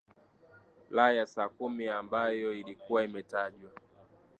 la ya saa kumi ambayo ilikuwa imetajwa